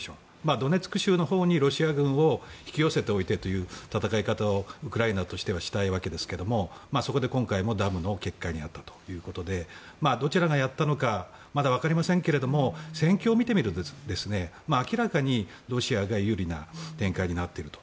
ドネツク州のほうにロシア軍を引き寄せておいてという戦い方をウクライナとしてはしたいわけですがそこで今回もダムの決壊に遭ったということでどちらがやったのかはまだわかりませんが戦況を見てみると明らかにロシアが有利な展開になっていると。